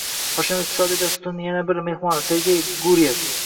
Hoshimov Iqtisodiy dasturning yana bir mehmoni - Sergey Guriyev